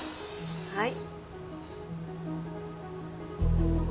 はい。